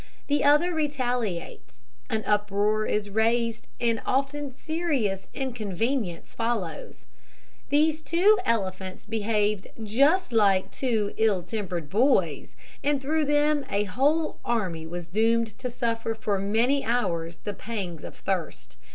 The other retaliates. An uproar is raised, and often serious inconvenience follows. These two elephants behaved just like two ill tempered boys; and through them a whole army was doomed to suffer for many hours the pangs of thirst.